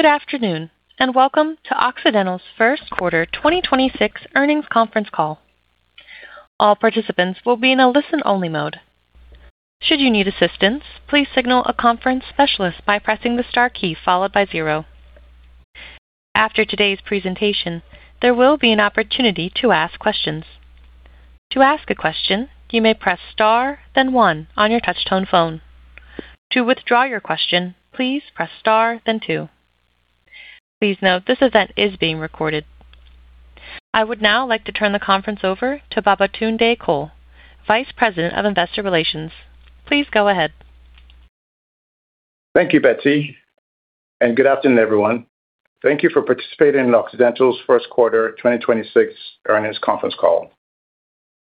Good afternoon, and welcome to Occidental's First Quarter 2026 Earnings Conference Call. All participants will be in a listen-only mode. Should you need assistance, please signal a conference specialist by pressing the star key followed by zero. After today's presentation, there will be an opportunity to ask questions. To ask a question you may press star then one on your touchtone phone. To withdraw your question, please press star then two. Please note that this event is being recorded. I would now like to turn the conference over to Babatunde Cole, Vice President of Investor Relations. Please go ahead. Thank you, Betsy. Good afternoon, everyone. Thank you for participating in Occidental's first quarter 2026 earnings conference call.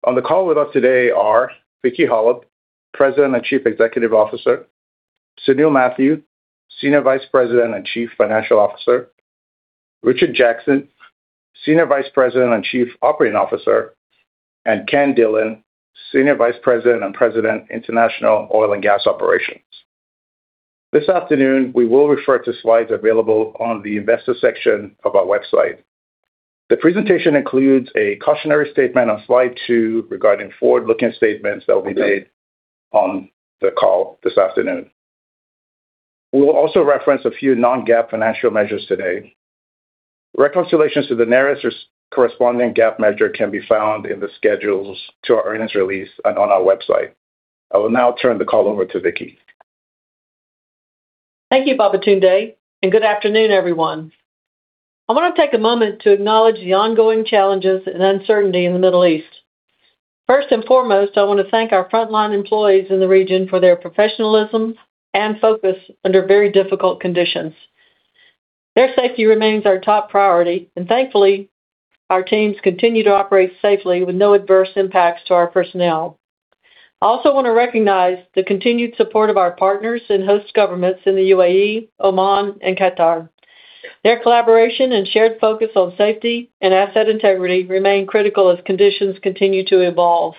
On the call with us today are Vicki Hollub, President and Chief Executive Officer, Sunil Mathew, Senior Vice President and Chief Financial Officer, Richard Jackson, Senior Vice President and Chief Operating Officer, and Kenneth Dillon, Senior Vice President and President, International Oil and Gas Operations. This afternoon, we will refer to slides available on the investor section of our website. The presentation includes a cautionary statement on slide two regarding forward-looking statements that will be made on the call this afternoon. We'll also reference a few non-GAAP financial measures today. Reconciliations to the nearest corresponding GAAP measure can be found in the schedules to our earnings release and on our website. I will now turn the call over to Vicki. Thank you, Babatunde, and good afternoon, everyone. I wanna take a moment to acknowledge the ongoing challenges and uncertainty in the Middle East. First and foremost, I want to thank our frontline employees in the region for their professionalism and focus under very difficult conditions. Their safety remains our top priority, and thankfully, our teams continue to operate safely with no adverse impacts to our personnel. I also want to recognize the continued support of our partners and host governments in the UAE, Oman, and Qatar. Their collaboration and shared focus on safety and asset integrity remain critical as conditions continue to evolve.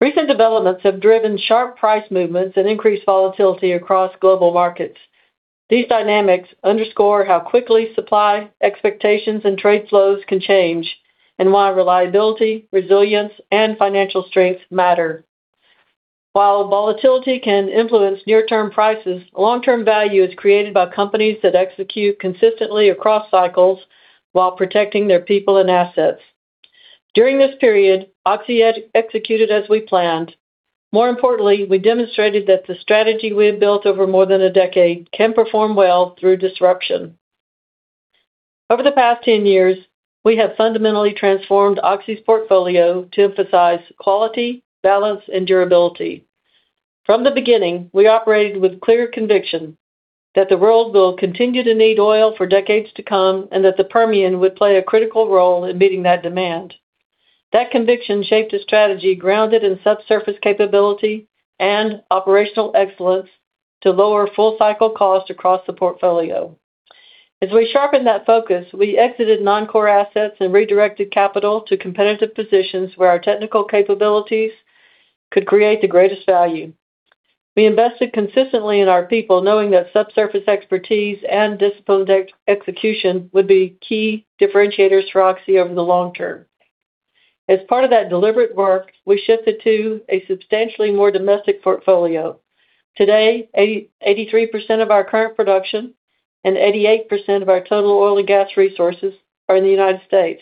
Recent developments have driven sharp price movements and increased volatility across global markets. These dynamics underscore how quickly supply expectations and trade flows can change and why reliability, resilience, and financial strength matter. While volatility can influence near-term prices, long-term value is created by companies that execute consistently across cycles while protecting their people and assets. During this period, Oxy executed as we planned. More importantly, we demonstrated that the strategy we have built over more than a decade can perform well through disruption. Over the past 10 years, we have fundamentally transformed Oxy's portfolio to emphasize quality, balance, and durability. From the beginning, we operated with clear conviction that the world will continue to need oil for decades to come and that the Permian would play a critical role in meeting that demand. That conviction shaped a strategy grounded in subsurface capability and operational excellence to lower full-cycle costs across the portfolio. As we sharpened that focus, we exited non-core assets and redirected capital to competitive positions where our technical capabilities could create the greatest value. We invested consistently in our people, knowing that subsurface expertise and disciplined execution would be key differentiators for Oxy over the long term. As part of that deliberate work, we shifted to a substantially more domestic portfolio. Today, 83% of our current production and 88% of our total oil and gas resources are in the U.S.,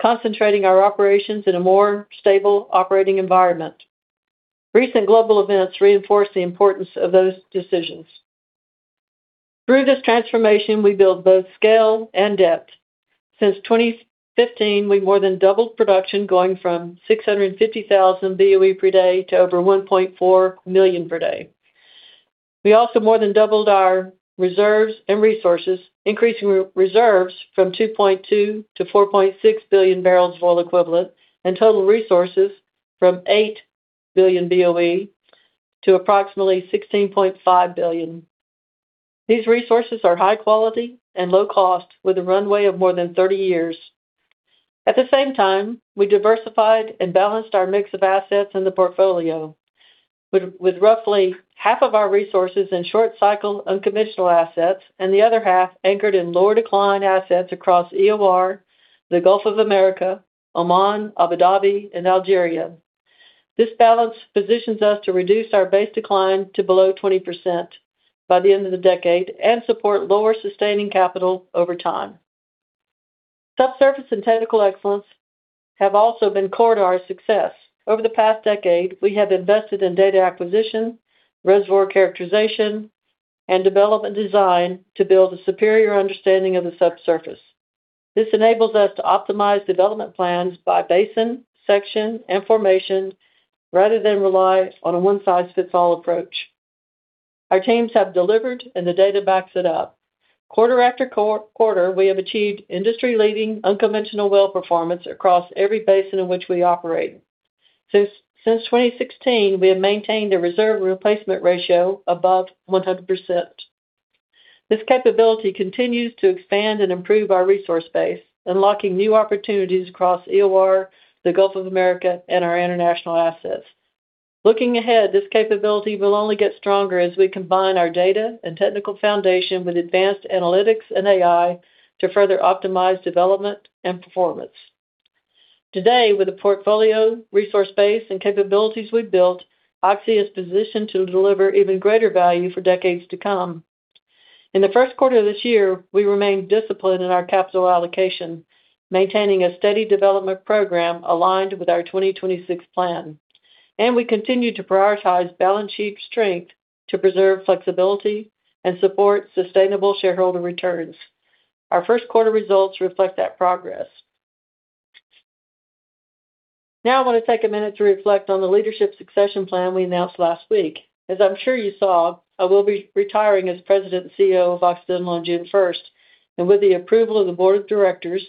concentrating our operations in a more stable operating environment. Recent global events reinforce the importance of those decisions. Through this transformation, we build both scale and depth. Since 2015, we've more than doubled production, going from 650,000 BOE per day to over 1.4 million per day. We also more than doubled our reserves and resources, increasing reserves from 2.2-4.6 billion barrels of oil equivalent and total resources from 8 billion BOE to approximately 16.5 billion. These resources are high quality and low cost with a runway of more than 30 years. At the same time, we diversified and balanced our mix of assets in the portfolio with roughly half of our resources in short-cycle unconventional assets and the other half anchored in lower decline assets across EOR, the Gulf of America, Oman, Abu Dhabi, and Algeria. This balance positions us to reduce our base decline to below 20% by the end of the decade and support lower sustaining capital over time. Subsurface and technical excellence have also been core to our success. Over the past decade, we have invested in data acquisition, reservoir characterization, and development design to build a superior understanding of the subsurface. This enables us to optimize development plans by basin, section, and formation rather than rely on a one-size-fits-all approach. Our teams have delivered, and the data backs it up. Quarter-after-quarter, we have achieved industry-leading unconventional well performance across every basin in which we operate. Since 2016, we have maintained a reserve replacement ratio above 100%. This capability continues to expand and improve our resource base, unlocking new opportunities across EOR, the Gulf of America, and our international assets. Looking ahead, this capability will only get stronger as we combine our data and technical foundation with advanced analytics and AI to further optimize development and performance. Today, with the portfolio, resource base, and capabilities we've built, Oxy is positioned to deliver even greater value for decades to come. In the first quarter of this year, we remained disciplined in our capital allocation, maintaining a steady development program aligned with our 2026 plan. We continue to prioritize balance sheet strength to preserve flexibility and support sustainable shareholder returns. Our first quarter results reflect that progress. Now I want to take a minute to reflect on the leadership succession plan we announced last week. As I'm sure you saw, I will be retiring as President and CEO of Occidental on June 1st, and with the approval of the board of directors,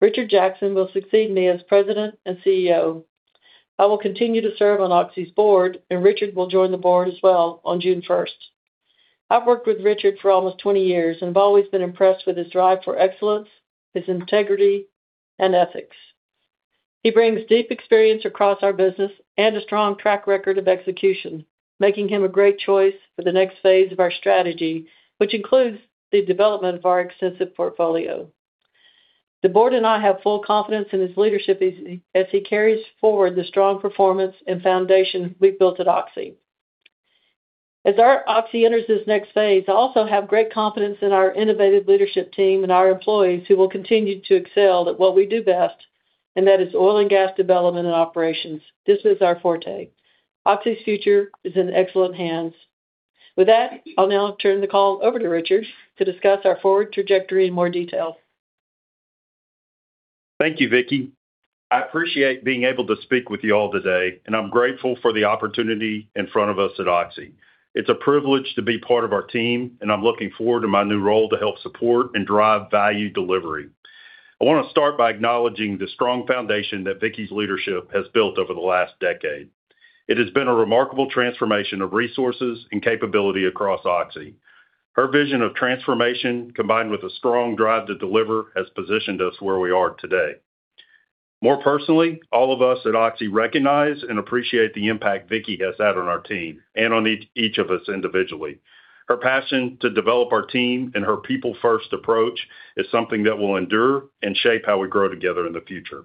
Richard Jackson will succeed me as President and CEO. I will continue to serve on Oxy's Board, and Richard will join the board as well on June 1st. I've worked with Richard for almost 20 years and have always been impressed with his drive for excellence, his integrity, and ethics. He brings deep experience across our business and a strong track record of execution, making him a great choice for the next phase of our strategy, which includes the development of our extensive portfolio. The board and I have full confidence in his leadership as he carries forward the strong performance and foundation we've built at Oxy. Oxy enters this next phase, I also have great confidence in our innovative leadership team and our employees who will continue to excel at what we do best, and that is oil and gas development and operations. This is our forte. Oxy's future is in excellent hands. With that, I'll now turn the call over to Richard to discuss our forward trajectory in more detail. Thank you, Vicki. I appreciate being able to speak with you all today, and I'm grateful for the opportunity in front of us at Oxy. It's a privilege to be part of our team, and I'm looking forward to my new role to help support and drive value delivery. I want to start by acknowledging the strong foundation that Vicki's leadership has built over the last decade. It has been a remarkable transformation of resources and capability across Oxy. Her vision of transformation, combined with a strong drive to deliver, has positioned us where we are today. More personally, all of us at Oxy recognize and appreciate the impact Vicki has had on our team and on each of us individually. Her passion to develop our team and her people-first approach is something that will endure and shape how we grow together in the future.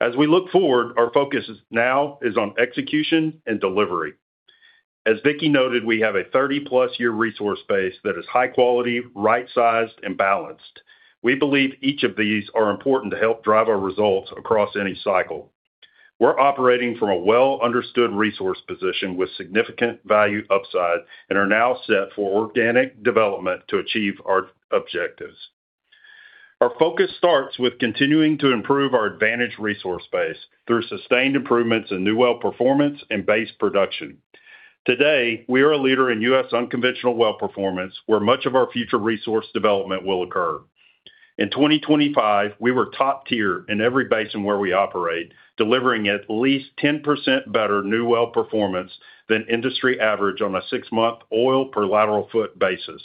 As we look forward, our focus is now on execution and delivery. As Vicki noted, we have a 30-plus year resource base that is high quality, right-sized, and balanced. We believe each of these are important to help drive our results across any cycle. We're operating from a well-understood resource position with significant value upside and are now set for organic development to achieve our objectives. Our focus starts with continuing to improve our advantage resource base through sustained improvements in new well performance and base production. Today, we are a leader in U.S. unconventional well performance, where much of our future resource development will occur. In 2025, we were top tier in every basin where we operate, delivering at least 10% better new well performance than industry average on a six-month oil per lateral foot basis.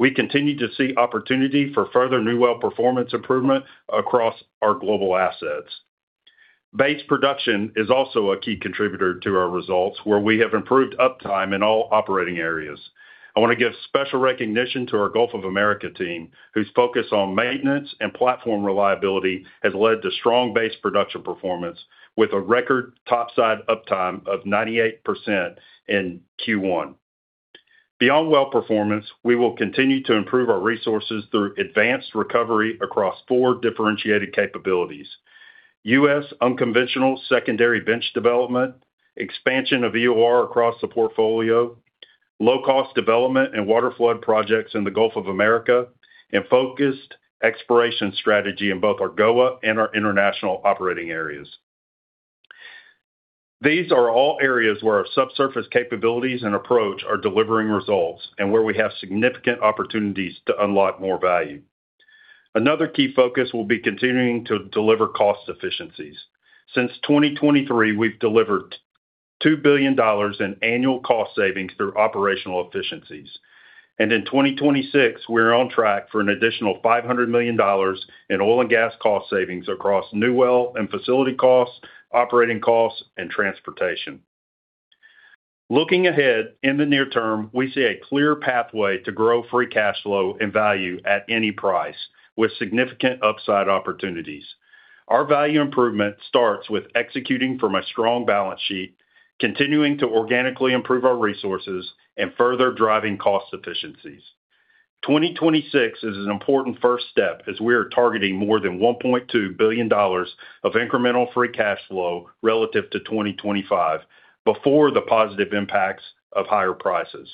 We continue to see opportunity for further new well performance improvement across our global assets. Base production is also a key contributor to our results, where we have improved uptime in all operating areas. I want to give special recognition to our Gulf of America team, whose focus on maintenance and platform reliability has led to strong base production performance with a record topside uptime of 98% in Q1. Beyond well performance, we will continue to improve our resources through advanced recovery across four differentiated capabilities: U.S. unconventional secondary bench development, expansion of EOR across the portfolio, low cost development and waterflood projects in the Gulf of America, and focused exploration strategy in both our GOA and our international operating areas. These are all areas where our subsurface capabilities and approach are delivering results and where we have significant opportunities to unlock more value. Another key focus will be continuing to deliver cost efficiencies. Since 2023, we've delivered $2 billion in annual cost savings through operational efficiencies. In 2026, we're on track for an additional $500 million in oil and gas cost savings across new well and facility costs, operating costs, and transportation. Looking ahead in the near term, we see a clear pathway to grow free cash flow and value at any price, with significant upside opportunities. Our value improvement starts with executing from a strong balance sheet, continuing to organically improve our resources, and further driving cost efficiencies. 2026 is an important first step as we are targeting more than $1.2 billion of incremental free cash flow relative to 2025 before the positive impacts of higher prices.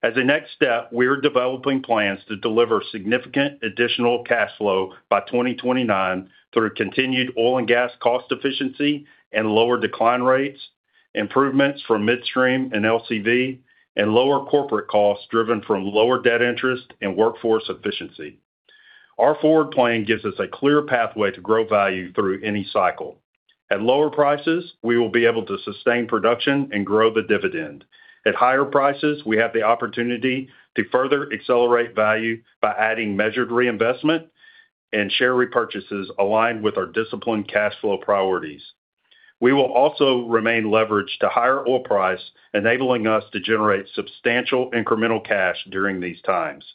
As a next step, we are developing plans to deliver significant additional cash flow by 2029 through continued oil and gas cost efficiency and lower decline rates, improvements from midstream and LCV, and lower corporate costs driven from lower debt interest and workforce efficiency. Our forward plan gives us a clear pathway to grow value through any cycle. At lower prices, we will be able to sustain production and grow the dividend. At higher prices, we have the opportunity to further accelerate value by adding measured reinvestment. Share repurchases aligned with our disciplined cash flow priorities. We will also remain leveraged to higher oil price, enabling us to generate substantial incremental cash during these times.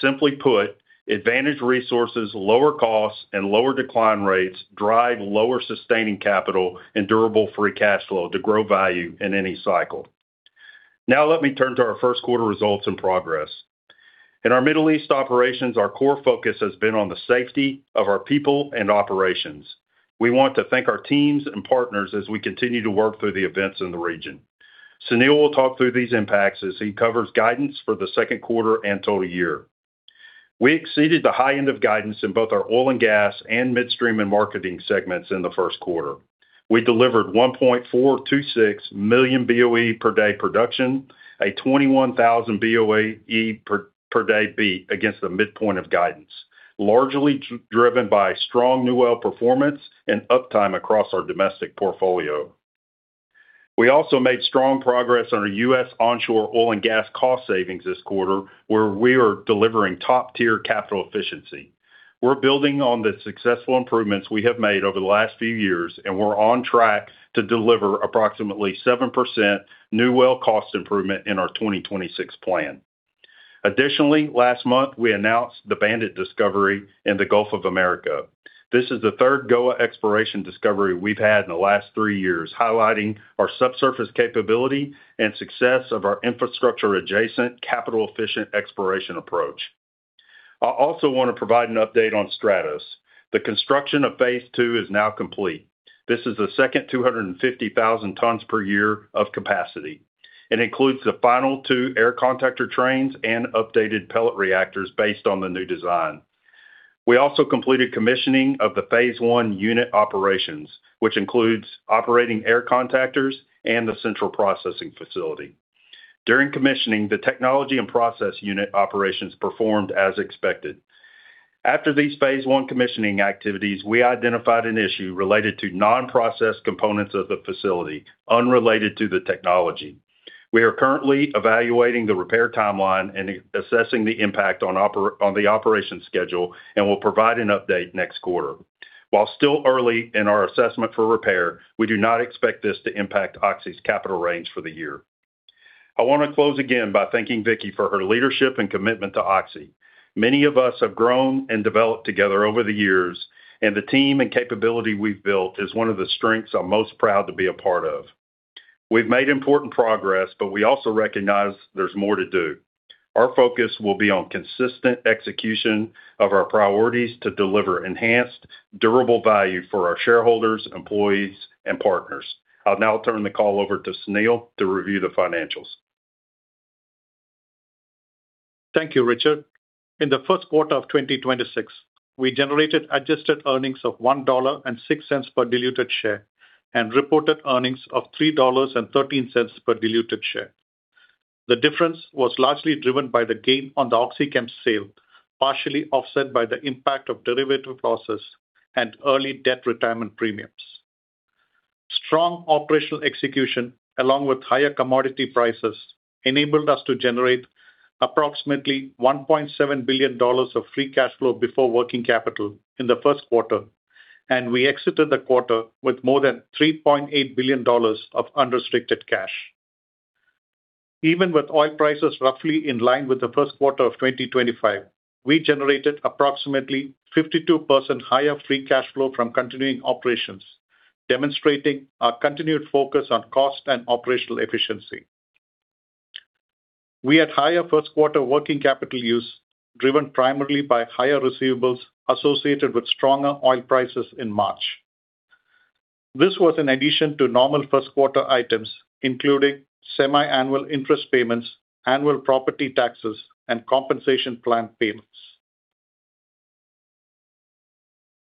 Simply put, advantage resources, lower costs, and lower decline rates drive lower sustaining capital and durable free cash flow to grow value in any cycle. Now let me turn to our first quarter results and progress. In our Middle East operations, our core focus has been on the safety of our people and operations. We want to thank our teams and partners as we continue to work through the events in the region. Sunil will talk through these impacts as he covers guidance for the second quarter and total year. We exceeded the high end of guidance in both our oil and gas and midstream and marketing segments in the first quarter. We delivered 1.426 million BOE per day production, a 21,000 BOE per day beat against the midpoint of guidance, largely driven by strong new well performance and uptime across our domestic portfolio. We also made strong progress on our U.S. onshore oil and gas cost savings this quarter, where we are delivering top-tier capital efficiency. We're building on the successful improvements we have made over the last few years, and we're on track to deliver approximately 7% new well cost improvement in our 2026 plan. Additionally, last month, we announced the Bandit discovery in the Gulf of America. This is the third GOA exploration discovery we've had in the last three years, highlighting our subsurface capability and success of our infrastructure-adjacent capital-efficient exploration approach. I also want to provide an update on Stratos. The construction of phase II is now complete. This is the second 250,000 tons per year of capacity. It includes the final two air contactor trains and updated pellet reactors based on the new design. We also completed commissioning of the phase I unit operations, which includes operating air contactors and the central processing facility. During commissioning, the technology and process unit operations performed as expected. After these phase I commissioning activities, we identified an issue related to non-process components of the facility unrelated to the technology. We are currently evaluating the repair timeline and assessing the impact on the operation schedule and will provide an update next quarter. While still early in our assessment for repair, we do not expect this to impact Oxy's capital range for the year. I want to close again by thanking Vicki for her leadership and commitment to Oxy. Many of us have grown and developed together over the years, and the team and capability we've built is one of the strengths I'm most proud to be a part of. We've made important progress, but we also recognize there's more to do. Our focus will be on consistent execution of our priorities to deliver enhanced, durable value for our shareholders, employees, and partners. I'll now turn the call over to Sunil to review the financials. Thank you, Richard. In the first quarter of 2026, we generated adjusted earnings of $1.06 per diluted share and reported earnings of $3.13 per diluted share. The difference was largely driven by the gain on the OxyChem sale, partially offset by the impact of derivative losses and early debt retirement premiums. Strong operational execution, along with higher commodity prices, enabled us to generate approximately $1.7 billion of free cash flow before working capital in the first quarter, and we exited the quarter with more than $3.8 billion of unrestricted cash. Even with oil prices roughly in line with the first quarter of 2025, we generated approximately 52% higher free cash flow from continuing operations, demonstrating our continued focus on cost and operational efficiency. We had higher first quarter working capital use, driven primarily by higher receivables associated with stronger oil prices in March. This was in addition to normal first quarter items, including semiannual interest payments, annual property taxes, and compensation plan payments.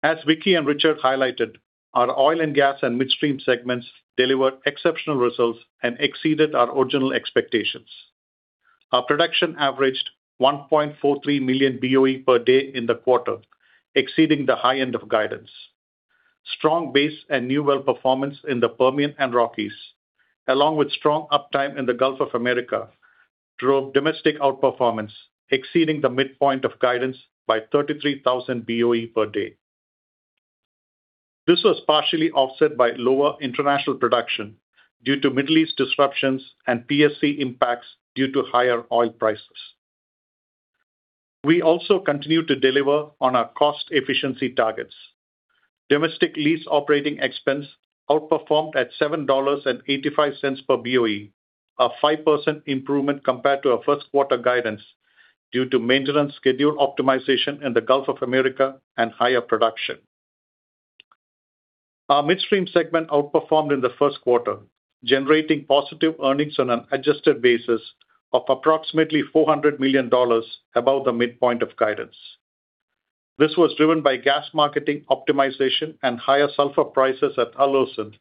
As Vicki and Richard highlighted, our oil and gas and midstream segments delivered exceptional results and exceeded our original expectations. Our production averaged 1.43 million BOE per day in the quarter, exceeding the high end of guidance. Strong base and new well performance in the Permian and Rockies, along with strong uptime in the Gulf of America, drove domestic outperformance, exceeding the midpoint of guidance by 33,000 BOE per day. This was partially offset by lower international production due to Middle East disruptions and PSC impacts due to higher oil prices. We also continued to deliver on our cost efficiency targets. Domestic lease operating expense outperformed at $7.85 per BOE, a 5% improvement compared to our first quarter guidance due to maintenance schedule optimization in the Gulf of America and higher production. Our midstream segment outperformed in the first quarter, generating positive earnings on an adjusted basis of approximately $400 million above the midpoint of guidance. This was driven by gas marketing optimization and higher sulfur prices at Al Hosn,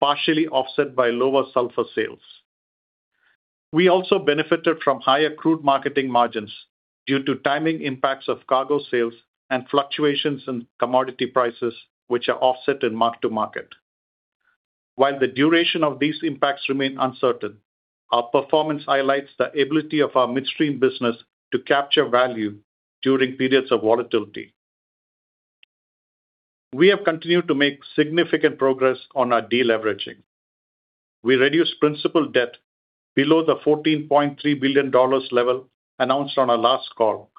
partially offset by lower sulfur sales. We also benefited from higher crude marketing margins due to timing impacts of cargo sales and fluctuations in commodity prices, which are offset in mark to market. While the duration of these impacts remain uncertain, our performance highlights the ability of our midstream business to capture value during periods of volatility. We have continued to make significant progress on the deleveraging. We reduced principal debt below the $14.3 billion level announced on our last call,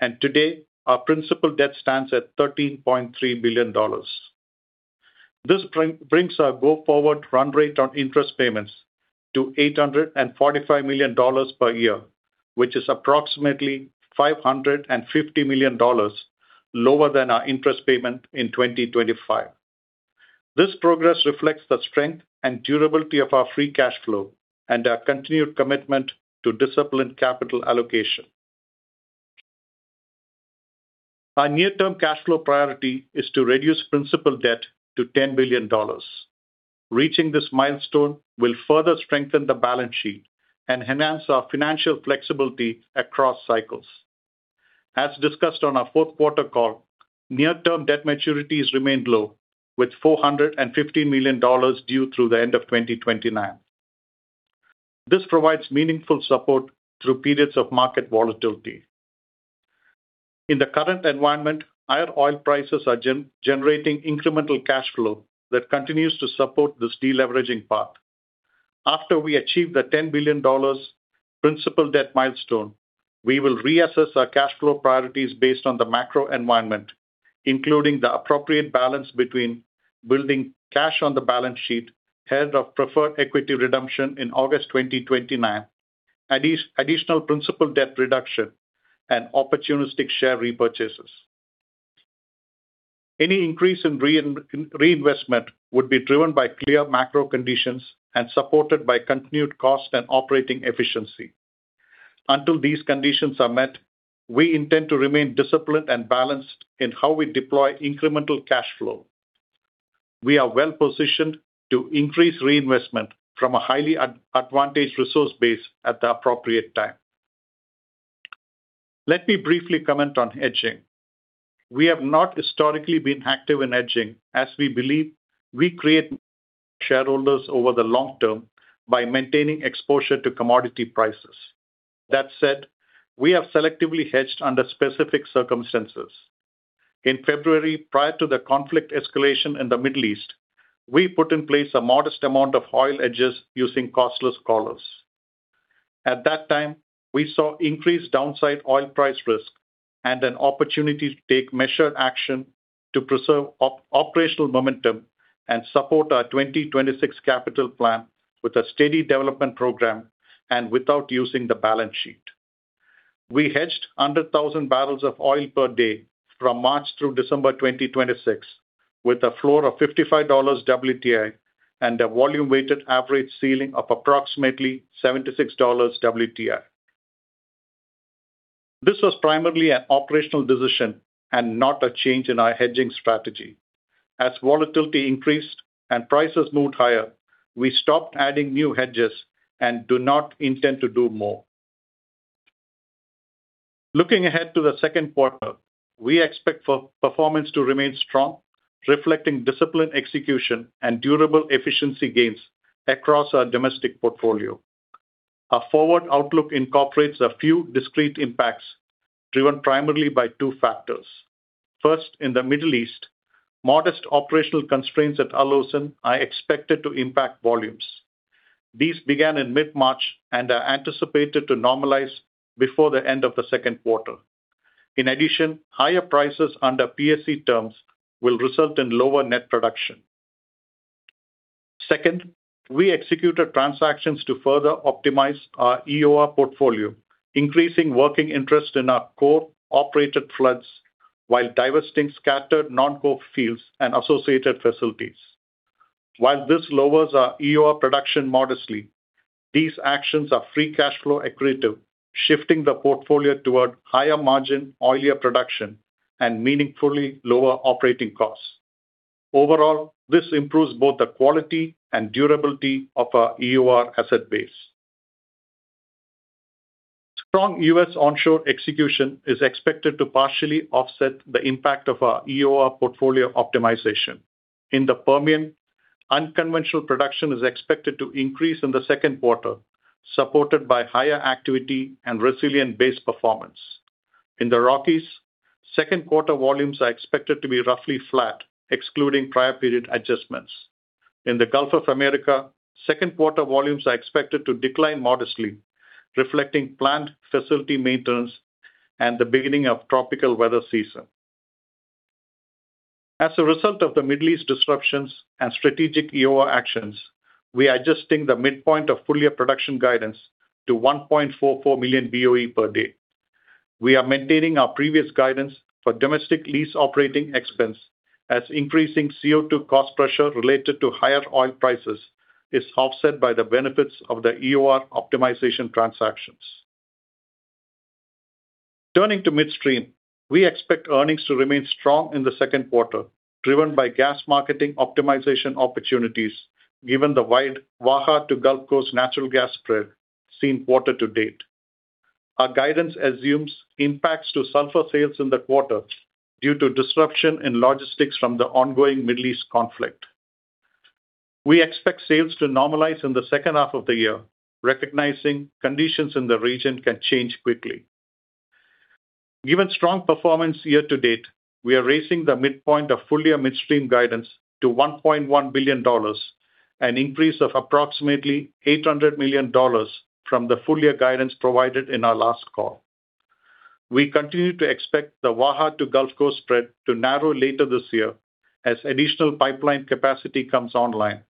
and today our principal debt stands at $13.3 billion. This brings our go-forward run rate on interest payments to $845 million per year, which is approximately $550 million lower than our interest payment in 2025. This progress reflects the strength and durability of our free cash flow and our continued commitment to disciplined capital allocation. Our near-term cash flow priority is to reduce principal debt to $10 billion. Reaching this milestone will further strengthen the balance sheet and enhance our financial flexibility across cycles. As discussed on our fourth quarter call, near-term debt maturities remain low, with $450 million due through the end of 2029. This provides meaningful support through periods of market volatility. In the current environment, higher oil prices are generating incremental cash flow that continues to support this deleveraging path. After we achieve the $10 billion principal debt milestone, we will reassess our cash flow priorities based on the macro environment, including the appropriate balance between building cash on the balance sheet, ahead of preferred equity redemption in August 2029, additional principal debt reduction, and opportunistic share repurchases. Any increase in reinvestment would be driven by clear macro conditions and supported by continued cost and operating efficiency. Until these conditions are met, we intend to remain disciplined and balanced in how we deploy incremental cash flow. We are well-positioned to increase reinvestment from a highly advantaged resource base at the appropriate time. Let me briefly comment on hedging. We have not historically been active in hedging, as we believe we create shareholders over the long term by maintaining exposure to commodity prices. That said, we have selectively hedged under specific circumstances. In February, prior to the conflict escalation in the Middle East, we put in place a modest amount of oil hedges using costless collars. At that time, we saw increased downside oil price risk and an opportunity to take measured action to preserve operational momentum and support our 2026 capital plan with a steady development program and without using the balance sheet. We hedged 100,000 barrels of oil per day from March through December 2026, with a floor of $55 WTI and a volume-weighted average ceiling of approximately $76 WTI. This was primarily an operational decision and not a change in our hedging strategy. As volatility increased and prices moved higher, we stopped adding new hedges and do not intend to do more. Looking ahead to the second quarter, we expect for performance to remain strong, reflecting disciplined execution and durable efficiency gains across our domestic portfolio. Our forward outlook incorporates a few discrete impacts driven primarily by two factors. First, in the Middle East, modest operational constraints at Al Hosn are expected to impact volumes. These began in mid-March and are anticipated to normalize before the end of the second quarter. In addition, higher prices under PSC terms will result in lower net production. Second, we executed transactions to further optimize our EOR portfolio, increasing working interest in our core operated floods while divesting scattered non-core fields and associated facilities. While this lowers our EOR production modestly, these actions are free cash flow accretive, shifting the portfolio toward higher margin oilier production and meaningfully lower operating costs. Overall, this improves both the quality and durability of our EOR asset base. Strong U.S. onshore execution is expected to partially offset the impact of our EOR portfolio optimization. In the Permian, unconventional production is expected to increase in the second quarter, supported by higher activity and resilient base performance. In the Rockies, second quarter volumes are expected to be roughly flat, excluding prior period adjustments. In the Gulf of America, second quarter volumes are expected to decline modestly, reflecting plant facility maintenance and the beginning of tropical weather season. As a result of the Middle East disruptions and strategic EOR actions, we are adjusting the midpoint of full year production guidance to 1.44 million BOE per day. We are maintaining our previous guidance for domestic lease operating expense as increasing CO2 cost pressure related to higher oil prices is offset by the benefits of the EOR optimization transactions. Turning to midstream, we expect earnings to remain strong in the second quarter, driven by gas marketing optimization opportunities given the wide Waha to Gulf Coast natural gas spread seen quarter-to-date. Our guidance assumes impacts to sulfur sales in the quarter due to disruption in logistics from the ongoing Middle East conflict. We expect sales to normalize in the second half of the year, recognizing conditions in the region can change quickly. Given strong performance year-to-date, we are raising the midpoint of full-year midstream guidance to $1.1 billion, an increase of approximately $800 million from the full-year guidance provided in our last call. We continue to expect the Waha to Gulf Coast spread to narrow later this year as additional pipeline capacity comes online,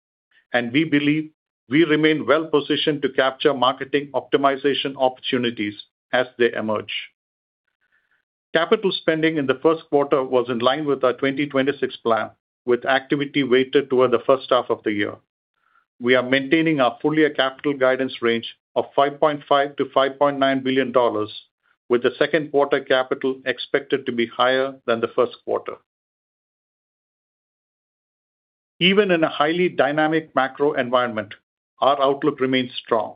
and we believe we remain well-positioned to capture marketing optimization opportunities as they emerge. Capital spending in the first quarter was in line with our 2026 plan, with activity weighted toward the first half of the year. We are maintaining our full-year capital guidance range of $5.5 billion-$5.9 billion, with the second quarter capital expected to be higher than the first quarter. Even in a highly dynamic macro environment, our outlook remains strong.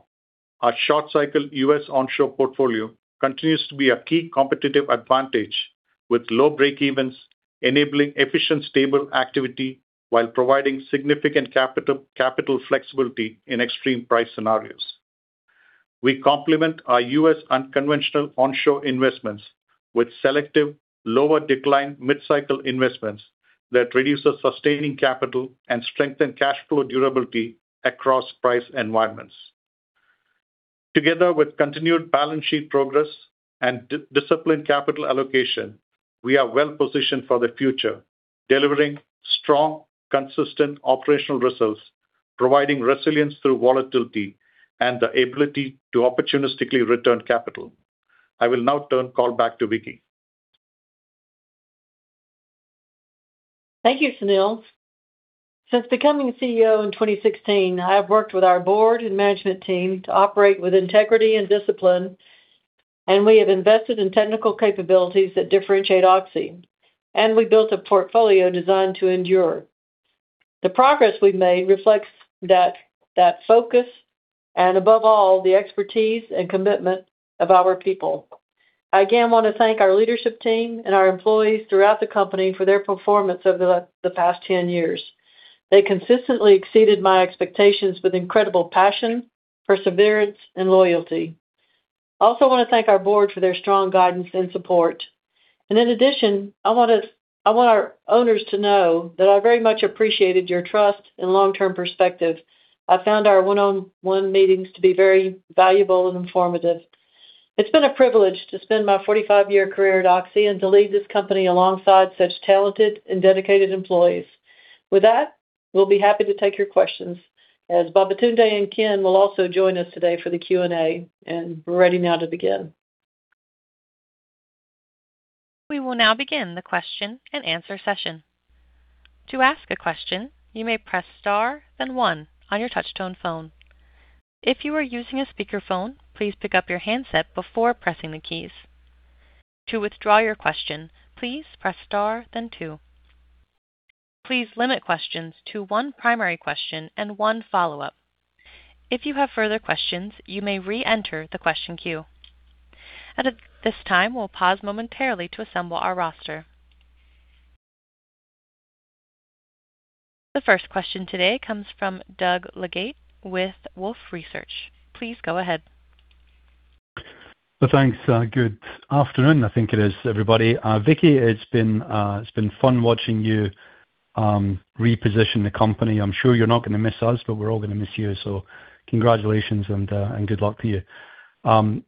Our short cycle U.S. onshore portfolio continues to be a key competitive advantage with low breakevens, enabling efficient, stable activity while providing significant capital flexibility in extreme price scenarios. We complement our U.S. unconventional onshore investments with selective lower decline mid-cycle investments that reduce the sustaining capital and strengthen cash flow durability across price environments. Together with continued balance sheet progress and disciplined capital allocation, we are well positioned for the future, delivering strong, consistent operational results, providing resilience through volatility, and the ability to opportunistically return capital. I will now turn the call back to Vicki. Thank you, Sunil. Since becoming CEO in 2016, I have worked with our board and management team to operate with integrity and discipline, and we have invested in technical capabilities that differentiate Oxy, and we built a portfolio designed to endure. The progress we've made reflects that focus and above all, the expertise and commitment of our people. I again want to thank our leadership team and our employees throughout the company for their performance over the past 10 years. They consistently exceeded my expectations with incredible passion, perseverance and loyalty. I also want to thank our board for their strong guidance and support. In addition, I want our owners to know that I very much appreciated your trust and long-term perspective. I found our one-on-one meetings to be very valuable and informative. It's been a privilege to spend my 45-year career at Oxy and to lead this company alongside such talented and dedicated employees. With that, we'll be happy to take your questions as Babatunde and Ken will also join us today for the Q&A, and we're ready now to begin. We will now begin the question-and-answer session. To ask a question, you may press star, then one on your touchtone phone. If you are using a speakerphone, please pick up your handset before pressing the keys. To withdraw your question, please press star then two. Please limit questions to one primary question and one follow-up. If you have further questions, you may reenter the question queue. At this time, we'll pause momentarily to assemble our roster. The first question today comes from Doug Leggate with Wolfe Research. Please go ahead. Well, thanks. Good afternoon, I think it is, everybody. Vicki, it's been fun watching you reposition the company. I'm sure you're not gonna miss us, we're all gonna miss you. Congratulations and good luck to you.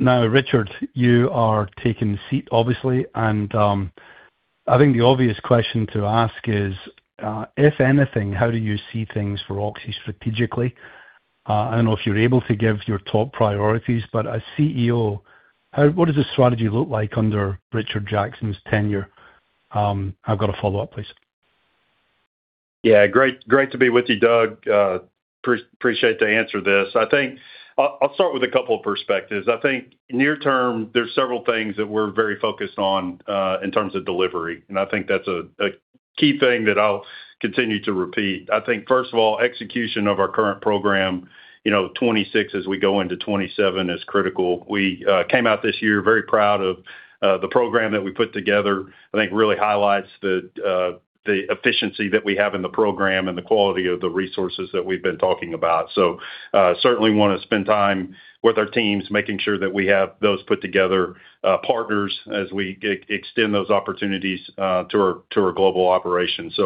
Now, Richard, you are taking the seat, obviously. I think the obvious question to ask is, if anything, how do you see things for Oxy strategically? I don't know if you're able to give your top priorities, as CEO, what does the strategy look like under Richard Jackson's tenure? I've got a follow-up, please. Great. Great to be with you, Doug. Appreciate to answer this. I think I'll start with a couple of perspectives. I think near term, there's several things that we're very focused on in terms of delivery, and I think that's a key thing that I'll continue to repeat. I think first of all, execution of our current program, you know, 2026 as we go into 2027 is critical. We came out this year very proud of the program that we put together. I think really highlights the efficiency that we have in the program and the quality of the resources that we've been talking about. Certainly wanna spend time with our teams, making sure that we have those put together, partners as we extend those opportunities to our global operations.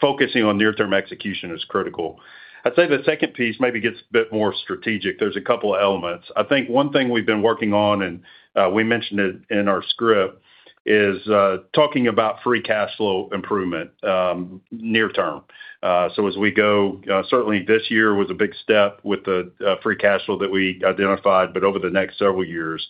Focusing on near-term execution is critical. I'd say the second piece maybe gets a bit more strategic. There's two elements. I think one thing we've been working on, and we mentioned it in our script, is talking about free cash flow improvement near term. As we go, certainly this year was a big step with the free cash flow that we identified. Over the next several years,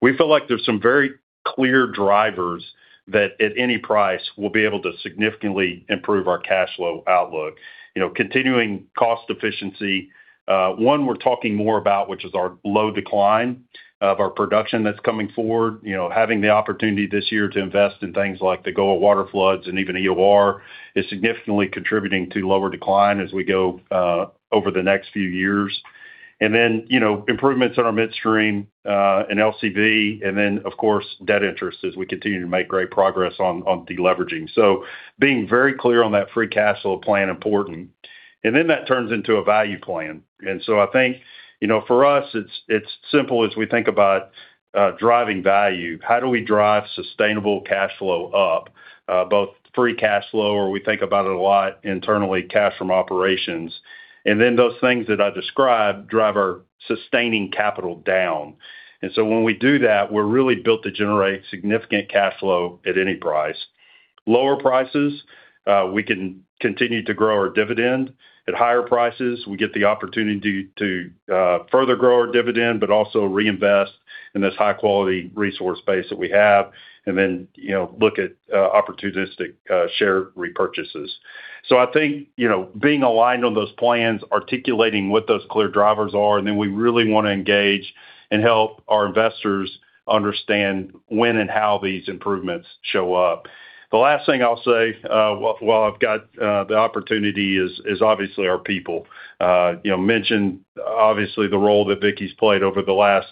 we feel like there's some very clear drivers that at any price we'll be able to significantly improve our cash flow outlook. You know, continuing cost efficiency. One we're talking more about, which is our low decline of our production that's coming forward. You know, having the opportunity this year to invest in things like the GOA waterfloods and even EOR is significantly contributing to lower decline as we go over the next few years. You know, improvements in our midstream and LCV, and then of course, debt interest as we continue to make great progress on deleveraging. Being very clear on that free cash flow plan important. That turns into a value plan. I think, you know, for us, it's simple as we think about driving value. How do we drive sustainable cash flow up, both free cash flow or we think about it a lot internally, cash from operations. Those things that I described drive our sustaining capital down. When we do that, we're really built to generate significant cash flow at any price. Lower prices, we can continue to grow our dividend. At higher prices, we get the opportunity to further grow our dividend, but also reinvest in this high-quality resource base that we have and then, you know, look at opportunistic share repurchases. I think, you know, being aligned on those plans, articulating what those clear drivers are, and then we really wanna engage and help our investors understand when and how these improvements show up. The last thing I'll say, while I've got the opportunity is obviously our people. You know, mentioned obviously the role that Vicki's played over the last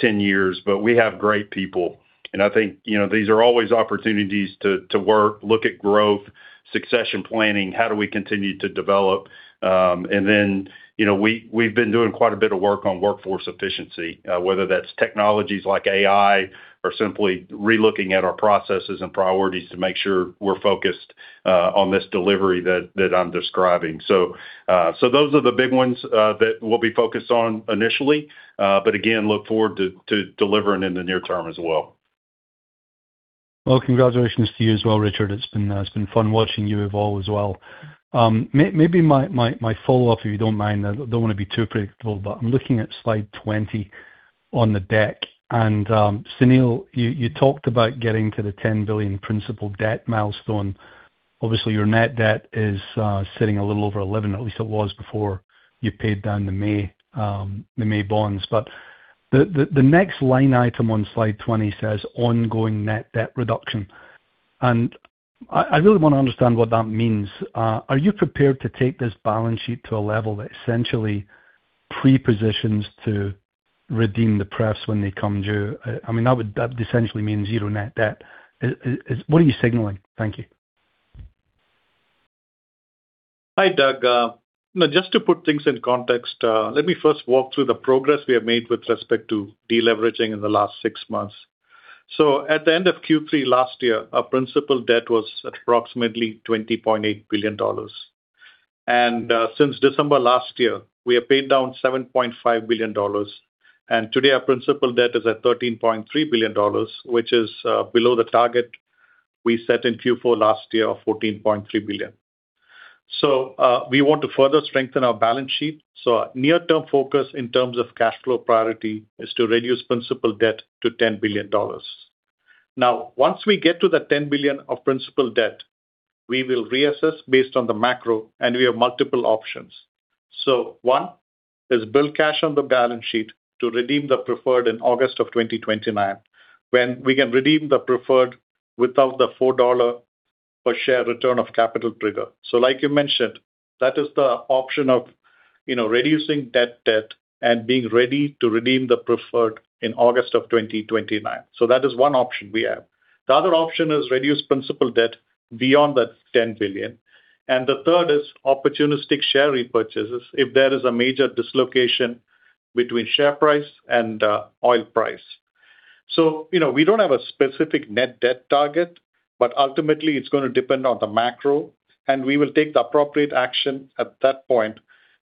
10 years, but we have great people. I think, you know, these are always opportunities to work, look at growth, succession planning, how do we continue to develop. Then, you know, we've been doing quite a bit of work on workforce efficiency, whether that's technologies like AI or simply re-looking at our processes and priorities to make sure we're focused on this delivery that I'm describing. Those are the big ones that we'll be focused on initially. Again, look forward to delivering in the near term as well. Well, congratulations to you as well, Richard. It's been, it's been fun watching you evolve as well. Maybe my follow-up, if you don't mind. I don't want to be too predictable, I'm looking at slide 20 on the deck. Sunil, you talked about getting to the $10 billion principal debt milestone. Obviously, your net debt is sitting a little over $11 billion, at least it was before you paid down the May, the May bonds. The next line item on slide 20 says ongoing net debt reduction. I really want to understand what that means. Are you prepared to take this balance sheet to a level that essentially pre-positions to redeem the prefs when they come due? I mean, that would essentially mean zero net debt. What are you signaling? Thank you. Hi, Doug. Just to put things in context, let me first walk through the progress we have made with respect to deleveraging in the last six months. At the end of Q3 last year, our principal debt was approximately $20.8 billion. Since December last year, we have paid down $7.5 billion. Today our principal debt is at $13.3 billion, which is below the target we set in Q4 last year of $14.3 billion. We want to further strengthen our balance sheet. Our near-term focus in terms of cash flow priority is to reduce principal debt to $10 billion. Once we get to the $10 billion of principal debt, we will reassess based on the macro, and we have multiple options. One is build cash on the balance sheet to redeem the preferred in August of 2029, when we can redeem the preferred without the $4 per share return of capital trigger. Like you mentioned, that is the option of, you know, reducing that debt and being ready to redeem the preferred in August of 2029. That is one option we have. The other option is reduce principal debt beyond that $10 billion. The third is opportunistic share repurchases if there is a major dislocation between share price and oil price. You know, we don't have a specific net debt target, but ultimately it's gonna depend on the macro, and we will take the appropriate action at that point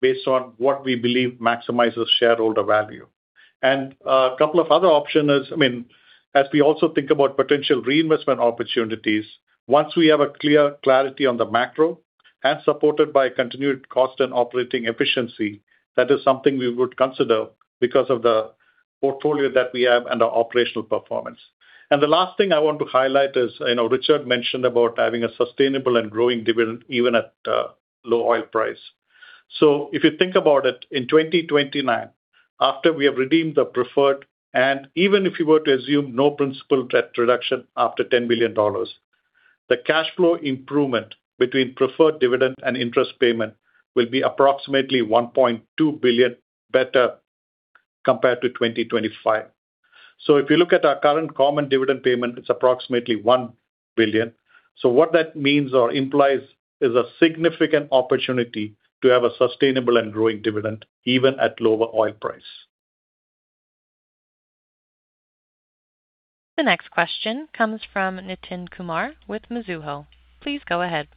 based on what we believe maximizes shareholder value. A couple of other option is, I mean, as we also think about potential reinvestment opportunities, once we have clear clarity on the macro and supported by continued cost and operating efficiency, that is something we would consider because of the portfolio that we have and our operational performance. The last thing I want to highlight is, you know, Richard mentioned about having a sustainable and growing dividend even at low oil price. If you think about it, in 2029, after we have redeemed the preferred, and even if you were to assume no principal debt reduction after $10 billion, the cash flow improvement between preferred dividend and interest payment will be approximately $1.2 billion better compared to 2025. If you look at our current common dividend payment, it's approximately $1 billion. What that means or implies is a significant opportunity to have a sustainable and growing dividend even at lower oil price. The next question comes from Nitin Kumar with Mizuho. Please go ahead.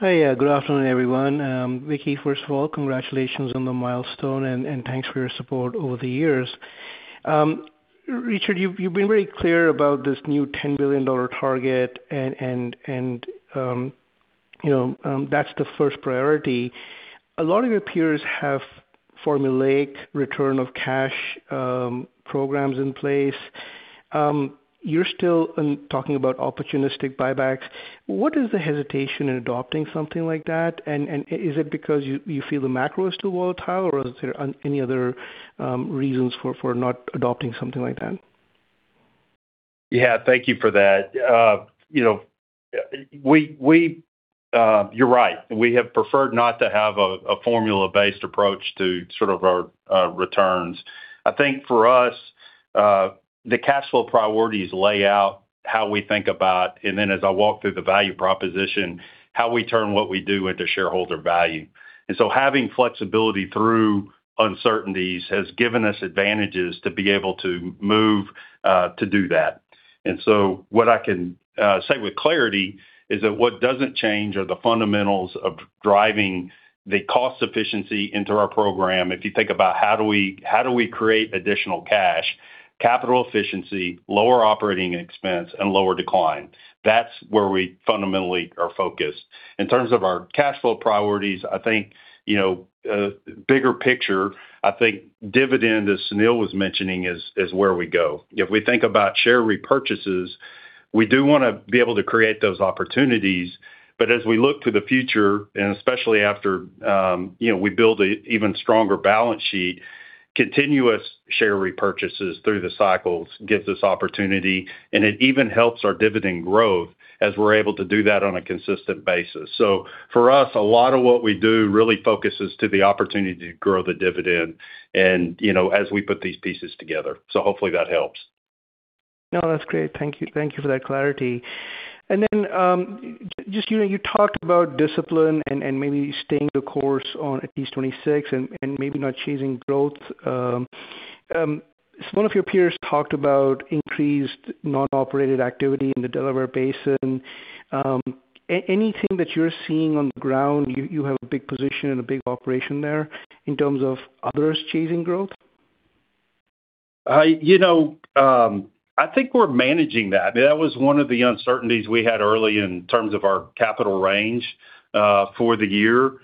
Hi. Good afternoon, everyone. Vicki, first of all, congratulations on the milestone and thanks for your support over the years. Richard, you've been very clear about this new $10 billion target and, you know, that's the first priority. A lot of your peers have formulaic return of cash programs in place. You're still talking about opportunistic buybacks. What is the hesitation in adopting something like that? Is it because you feel the macro is too volatile, or is there any other reasons for not adopting something like that? Thank you for that. You know, we, you're right. We have preferred not to have a formula-based approach to sort of our returns. I think for us, the cash flow priorities lay out how we think about, then as I walk through the value proposition, how we turn what we do into shareholder value. So having flexibility through uncertainties has given us advantages to be able to move to do that. So what I can say with clarity is that what doesn't change are the fundamentals of driving the cost efficiency into our program. If you think about how do we create additional cash, capital efficiency, lower operating expense, and lower decline. That's where we fundamentally are focused. In terms of our cash flow priorities, I think, you know, bigger picture, I think dividend, as Sunil was mentioning, is where we go. If we think about share repurchases, we do wanna be able to create those opportunities. As we look to the future, and especially after, you know, we build a even stronger balance sheet, continuous share repurchases through the cycles gives us opportunity, and it even helps our dividend growth as we're able to do that on a consistent basis. For us, a lot of what we do really focuses to the opportunity to grow the dividend and, you know, as we put these pieces together. Hopefully that helps. No, that's great. Thank you for that clarity. Just, you know, you talked about discipline and maybe staying the course on at least 2026 and maybe not chasing growth. Some of your peers talked about increased non-operated activity in the Delaware Basin. Anything that you're seeing on the ground, you have a big position and a big operation there, in terms of others chasing growth? You know, I think we're managing that. That was one of the uncertainties we had early in terms of our capital range for the year.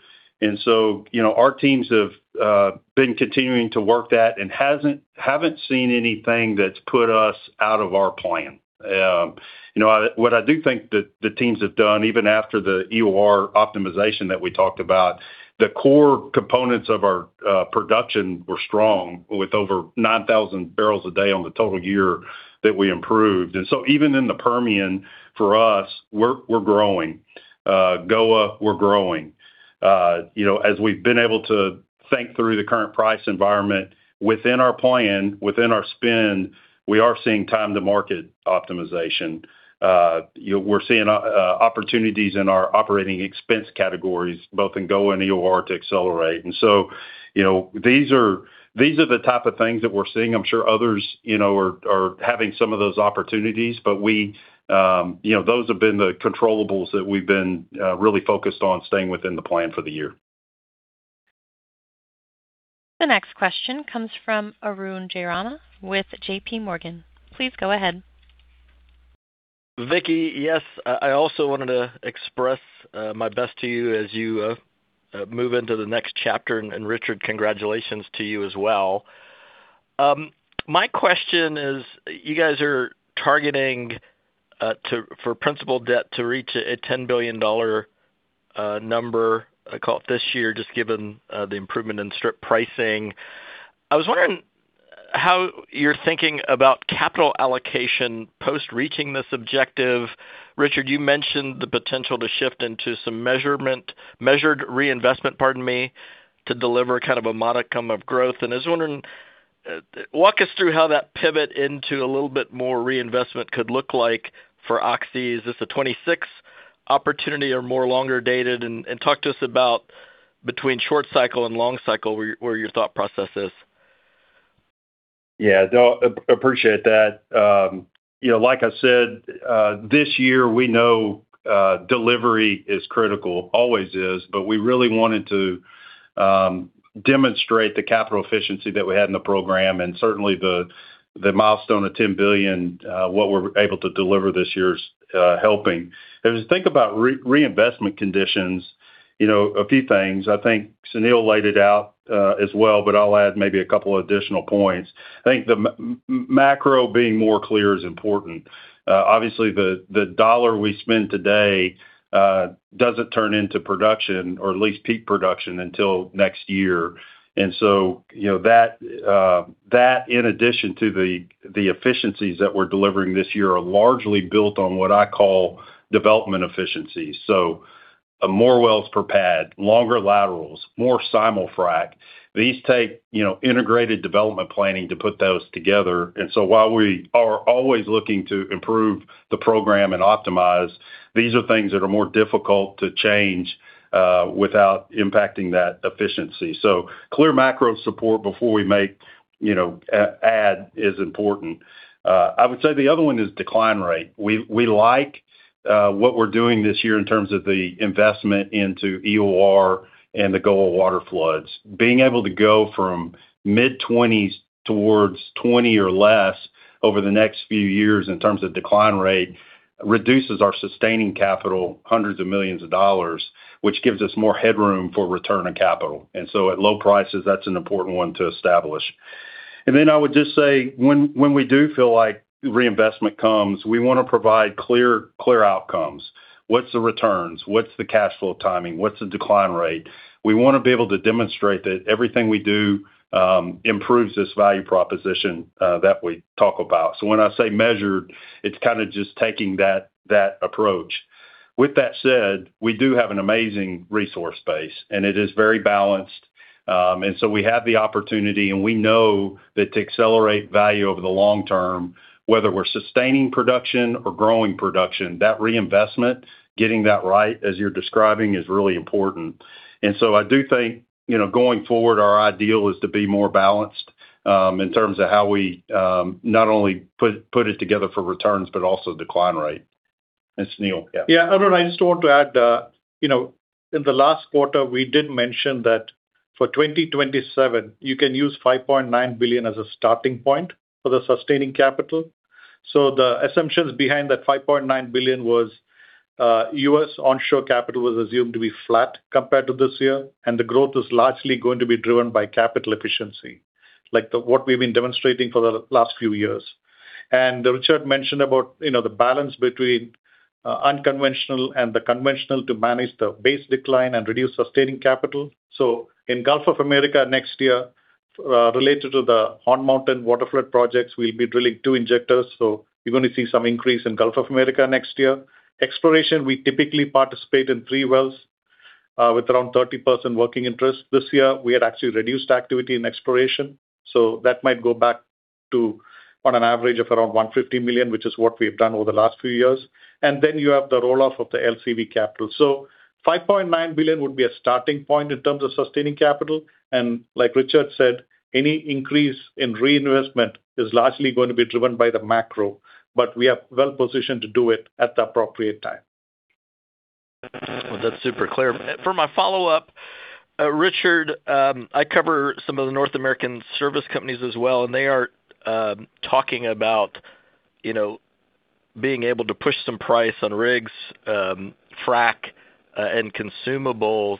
You know, our teams have been continuing to work that and haven't seen anything that's put us out of our plan. You know, what I do think that the teams have done, even after the EOR optimization that we talked about, the core components of our production were strong with over 9,000 barrels a day on the total year that we improved. Even in the Permian, for us, we're growing. GOA, we're growing. You know, as we've been able to think through the current price environment within our plan, within our spend, we are seeing time-to-market optimization. you know, we're seeing opportunities in our operating expense categories, both in GOA and EOR, to accelerate. you know, these are the type of things that we're seeing. I'm sure others, you know, are having some of those opportunities. we, you know, those have been the controllables that we've been really focused on staying within the plan for the year. The next question comes from Arun Jayaram with JPMorgan. Please go ahead. Vicki, yes, I also wanted to express my best to you as you move into the next chapter. And Richard, congratulations to you as well. My question is, you guys are targeting for principal debt to reach a $10 billion number, I call it this year, just given the improvement in strip pricing. I was wondering how you're thinking about capital allocation post reaching this objective. Richard, you mentioned the potential to shift into some measured reinvestment, pardon me, to deliver kind of a modicum of growth. I was wondering, walk us through how that pivot into a little bit more reinvestment could look like for Oxy. Is this a 2026 opportunity or more longer dated? Talk to us about between short cycle and long cycle, where your thought process is. Yeah. No, appreciate that. You know, like I said, this year we know delivery is critical, always is, but we really wanted to demonstrate the capital efficiency that we had in the program, and certainly the milestone of $10 billion what we're able to deliver this year is helping. As you think about reinvestment conditions, you know, a few things. I think Sunil laid it out as well, but I'll add maybe a couple additional points. I think the macro being more clear is important. Obviously, the dollar we spend today doesn't turn into production or at least peak production until next year. You know, that, in addition to the efficiencies that we're delivering this year, are largely built on what I call development efficiencies. More wells per pad, longer laterals, more simulfrac. These take, you know, integrated development planning to put those together. While we are always looking to improve the program and optimize, these are things that are more difficult to change without impacting that efficiency. Clear macro support before we make, you know, add is important. I would say the other one is decline rate. We like what we're doing this year in terms of the investment into EOR and the GOA waterfloods. Being able to go from mid-20s towards 20 or less over the next few years in terms of decline rate reduces our sustaining capital hundreds of millions of dollars, which gives us more headroom for return on capital. At low prices, that's an important one to establish. I would just say when we do feel like reinvestment comes, we wanna provide clear outcomes. What's the returns? What's the cash flow timing? What's the decline rate? We wanna be able to demonstrate that everything we do improves this value proposition that we talk about. When I say measured, it's kinda just taking that approach. With that said, we do have an amazing resource base, and it is very balanced. We have the opportunity, and we know that to accelerate value over the long term, whether we're sustaining production or growing production, that reinvestment, getting that right, as you're describing, is really important. I do think, you know, going forward, our ideal is to be more balanced in terms of how we not only put it together for returns, but also decline rate. Sunil, yeah. Arun, I just want to add, you know, in the last quarter, we did mention that for 2027, you can use $5.9 billion as a starting point for the sustaining capital. The assumptions behind that $5.9 billion was U.S. onshore capital was assumed to be flat compared to this year, and the growth is largely going to be driven by capital efficiency, like what we've been demonstrating for the last few years. Richard mentioned about, you know, the balance between unconventional and the conventional to manage the base decline and reduce sustaining capital. In Gulf of America next year, related to the Horn Mountain water flood projects, we'll be drilling two injectors. You're going to see some increase in Gulf of America next year. Exploration, we typically participate in three wells, with around 30% working interest. This year, we had actually reduced activity in exploration, that might go back to on an average of around $150 million, which is what we've done over the last few years. Then you have the roll-off of the LCV capital. $5.9 billion would be a starting point in terms of sustaining capital. Like Richard said, any increase in reinvestment is largely gonna be driven by the macro, but we are well-positioned to do it at the appropriate time. Well, that's super clear. For my follow-up, Richard, I cover some of the North American service companies as well, and they are talking about, you know, being able to push some price on rigs, frack, and consumables.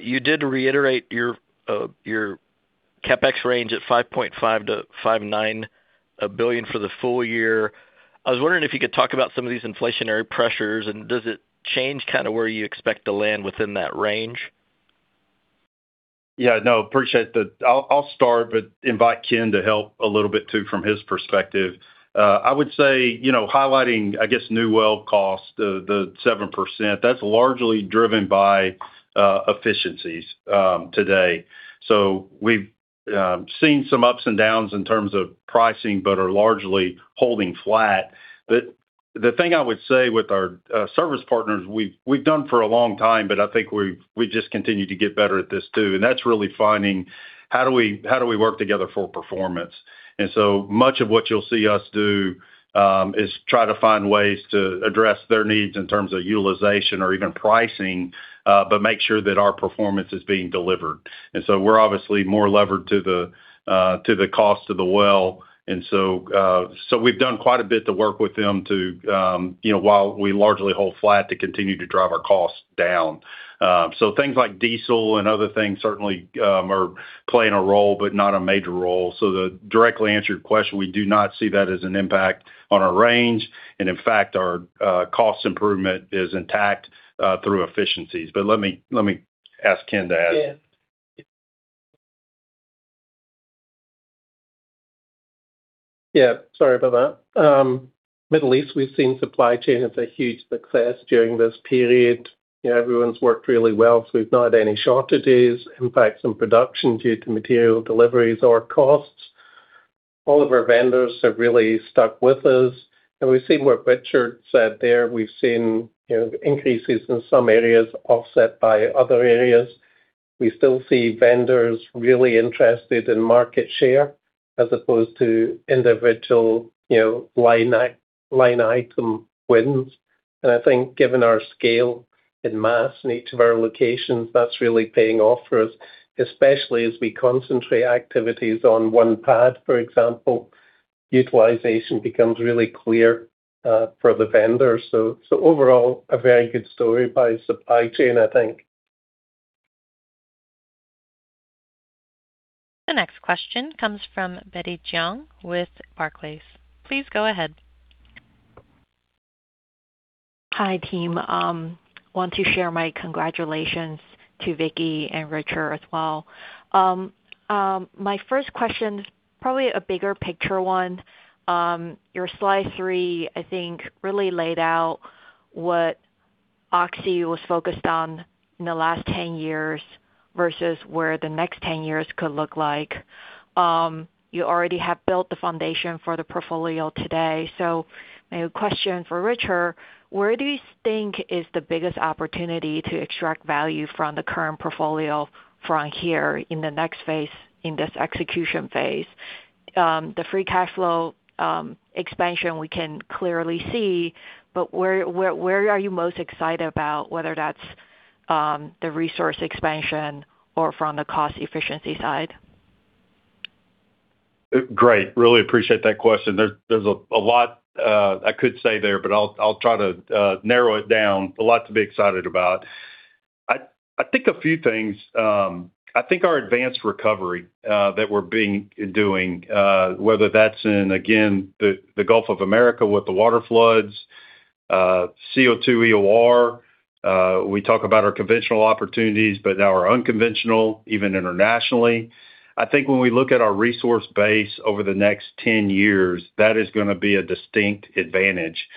You did reiterate your CapEx range at $5.5 billion-$5.9 billion for the full year. I was wondering if you could talk about some of these inflationary pressures, and does it change kinda where you expect to land within that range? Yeah, no, appreciate that. I'll start, invite Ken to help a little bit too from his perspective. I would say, you know, highlighting, I guess, new well cost, the 7%, that's largely driven by efficiencies today. We've seen some ups and downs in terms of pricing, are largely holding flat. The thing I would say with our service partners, we've done for a long time, I think we just continue to get better at this too. That's really finding how do we work together for performance? So much of what you'll see us do is try to find ways to address their needs in terms of utilization or even pricing, make sure that our performance is being delivered. We're obviously more levered to the to the cost of the well. So we've done quite a bit to work with them to, you know, while we largely hold flat to continue to drive our costs down. Things like diesel and other things certainly are playing a role, but not a major role. To directly answer your question, we do not see that as an impact on our range. In fact, our cost improvement is intact through efficiencies. Let me ask Ken to add. Yeah. Yeah, sorry about that. Middle East, we've seen supply chain have a huge success during this period. You know, everyone's worked really well, so we've not had any shortages. Impact some production due to material deliveries or costs. All of our vendors have really stuck with us. We've seen what Richard said there. We've seen, you know, increases in some areas offset by other areas. We still see vendors really interested in market share as opposed to individual, you know, line item wins. I think given our scale and mass in each of our locations, that's really paying off for us, especially as we concentrate activities on one pad, for example, utilization becomes really clear for the vendors. So overall, a very good story by supply chain, I think. The next question comes from Betty Jiang with Barclays. Please go ahead. Hi, team. Want to share my congratulations to Vicki and Richard as well. My first question, probably a bigger picture one. Your slide three, I think, really laid out what Oxy was focused on in the last 10 years versus where the next 10 years could look like. You already have built the foundation for the portfolio today. Maybe a question for Richard. Where do you think is the biggest opportunity to extract value from the current portfolio from here in the next phase, in this execution phase? The free cash flow expansion we can clearly see, where are you most excited about, whether that's the resource expansion or from the cost efficiency side? Great. Really appreciate that question. There's, there's a lot I could say there, but I'll try to narrow it down. A lot to be excited about. I think a few things. I think our advanced recovery that we're doing, whether that's in, again, the Gulf of America with the water floods, CO2 EOR. We talk about our conventional opportunities, but now our unconventional, even internationally. I think when we look at our resource base over the next 10 years, that is gonna be a distinct advantage.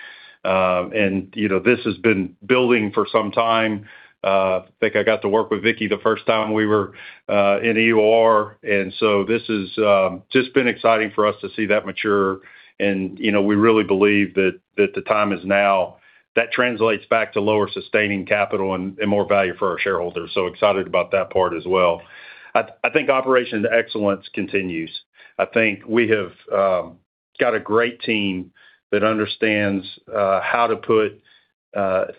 You know, this has been building for some time. I think I got to work with Vicki the first time we were in EOR, and so this has just been exciting for us to see that mature. You know, we really believe that the time is now. That translates back to lower sustaining capital and more value for our shareholders. Excited about that part as well. I think operations excellence continues. I think we have got a great team that understands how to put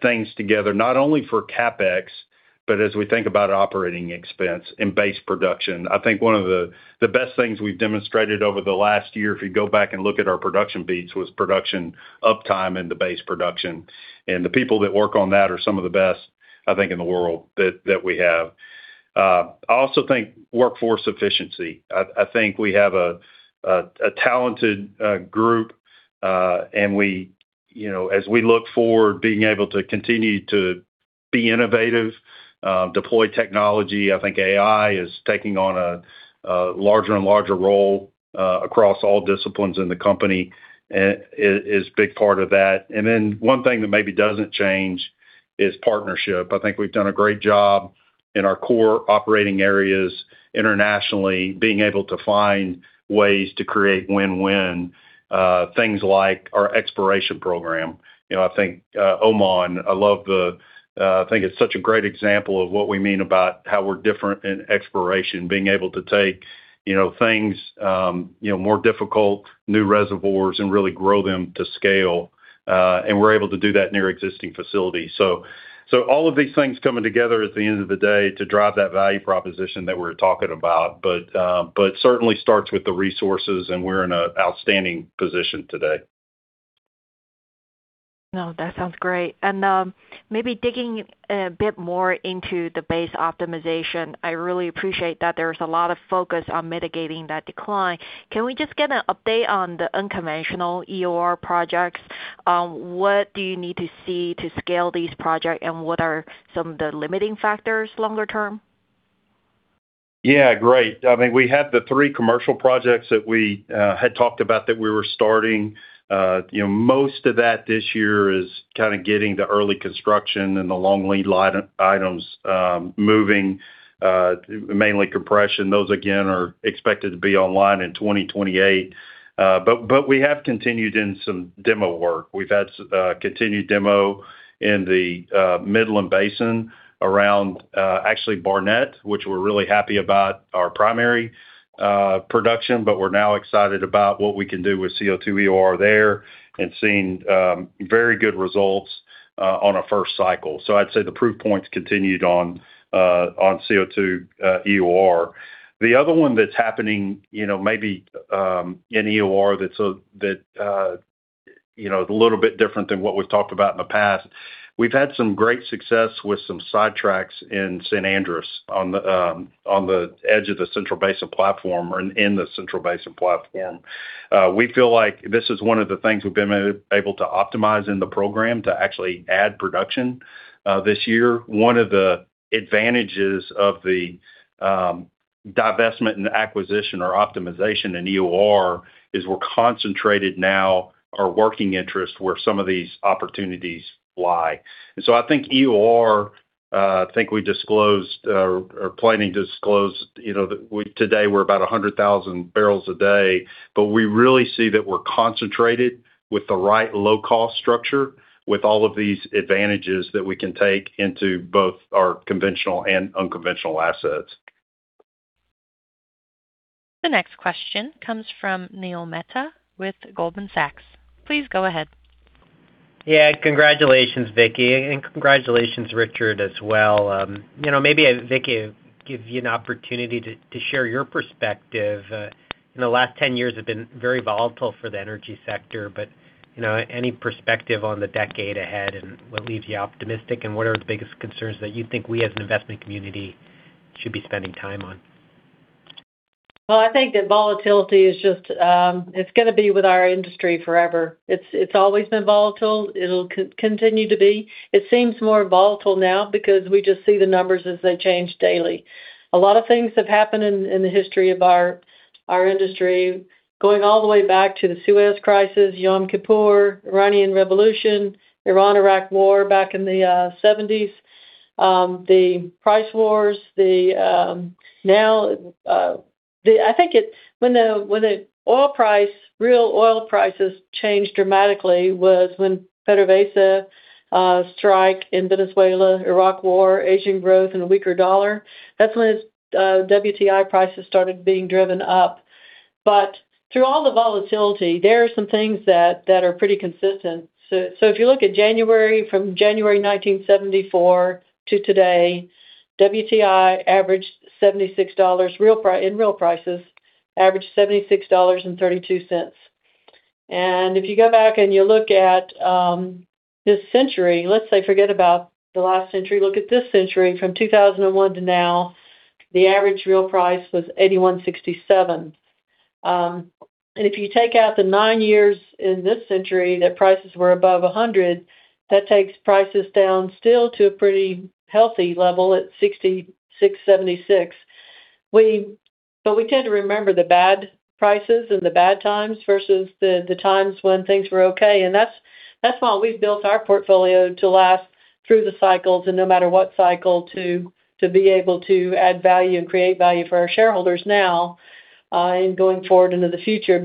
things together, not only for CapEx, but as we think about operating expense and base production. I think one of the best things we've demonstrated over the last year, if you go back and look at our production beats, was production uptime and the base production. The people that work on that are some of the best, I think, in the world that we have. I also think workforce efficiency. I think we have a talented group, and we, you know, as we look forward, being able to continue to be innovative, deploy technology. I think AI is taking on a larger and larger role across all disciplines in the company, is a big part of that. One thing that maybe doesn't change is partnership. I think we've done a great job in our core operating areas internationally, being able to find ways to create win-win, things like our exploration program. You know, I think Oman, I love the, I think it's such a great example of what we mean about how we're different in exploration, being able to take, you know, things, you know, more difficult, new reservoirs and really grow them to scale, and we're able to do that near existing facilities. All of these things coming together at the end of the day to drive that value proposition that we're talking about. Certainly starts with the resources, and we're in a outstanding position today. No, that sounds great. Maybe digging a bit more into the base optimization, I really appreciate that there's a lot of focus on mitigating that decline. Can we just get an update on the unconventional EOR projects? What do you need to see to scale these projects, and what are some of the limiting factors longer term? Yeah, great. I mean, we had the three commercial projects that we had talked about that we were starting. You know, most of that this year is kind of getting to early construction and the long lead items, mainly compression. Those, again, are expected to be online in 2028. We have continued in some demo work. We've had continued demo in the Midland Basin around, actually Barnett, which we're really happy about our primary production, but we're now excited about what we can do with CO2 EOR there and seeing very good results on a first cycle. I'd say the proof points continued on CO2 EOR. The other one that's happening, you know, maybe, in EOR that's, that, you know, a little bit different than what we've talked about in the past. We've had some great success with some sidetracks in San Andres on the, on the edge of the Central Basin Platform or in the Central Basin Platform. We feel like this is one of the things we've been able to optimize in the program to actually add production this year. One of the advantages of the divestment and acquisition or optimization in EOR is we're concentrated now our working interest where some of these opportunities lie. I think EOR, I think we disclosed, or planning to disclose, you know, today we're about 100,000 barrels a day, but we really see that we're concentrated with the right low-cost structure with all of these advantages that we can take into both our conventional and unconventional assets. The next question comes from Neil Mehta with Goldman Sachs. Please go ahead. Congratulations, Vicki, and congratulations, Richard, as well. You know, maybe, Vicki, give you an opportunity to share your perspective. You know, the last 10 years have been very volatile for the energy sector, but, you know, any perspective on the decade ahead and what leaves you optimistic, and what are the biggest concerns that you think we as an investment community should be spending time on? Well, I think that volatility is just, it's gonna be with our industry forever. It's always been volatile. It'll continue to be. It seems more volatile now because we just see the numbers as they change daily. A lot of things have happened in the history of our industry, going all the way back to the Suez crisis, Yom Kippur, Iranian Revolution, Iran-Iraq War back in the 1970s, the price wars, now I think when the real oil prices changed dramatically was when PDVSA strike in Venezuela, Iraq War, Asian growth, and a weaker dollar. That's when WTI prices started being driven up. Through all the volatility, there are some things that are pretty consistent. If you look at January, from January 1974 to today, WTI averaged $76, in real prices, averaged $76.32. If you go back and you look at this century, let's say forget about the last century, look at this century from 2001 to now, the average real price was $81.67. If you take out the nine years in this century that prices were above $100, that takes prices down still to a pretty healthy level at $66.76. We tend to remember the bad prices and the bad times versus the times when things were okay. That's why we've built our portfolio to last through the cycles and no matter what cycle, to be able to add value and create value for our shareholders now, in going forward into the future.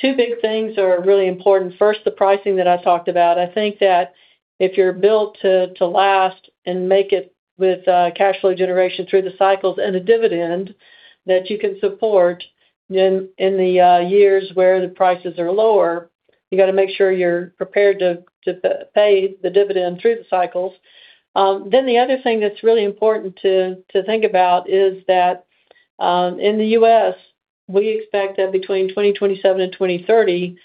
Two big things are really important. First, the pricing that I talked about. I think that if you're built to last and make it with cash flow generation through the cycles and a dividend that you can support in the years where the prices are lower, you gotta make sure you're prepared to pay the dividend through the cycles. The other thing that's really important to think about is that in the U.S., we expect that between 2027 and 2030,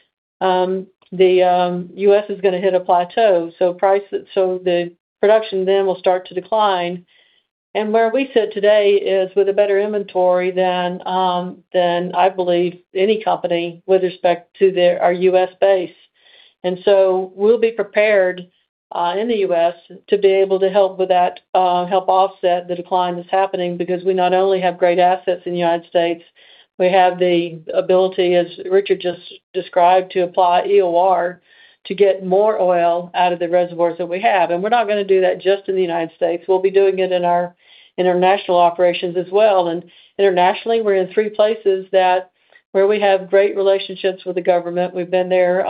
the U.S. is gonna hit a plateau, so prices, the production then will start to decline. Where we sit today is with a better inventory than I believe any company with respect to their our U.S. base. So we'll be prepared in the U.S. to be able to help with that, help offset the decline that's happening because we not only have great assets in the United States, we have the ability, as Richard just described, to apply EOR to get more oil out of the reservoirs that we have. We're not gonna do that just in the United States. We'll be doing it in our international operations as well. Internationally, we're in three places that where we have great relationships with the government. We've been there,